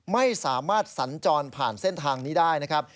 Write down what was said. ไม่สามารถสัญจรผ่านเส้นทางนี้ได้นะครับ